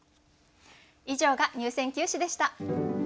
以上が入選九首でした。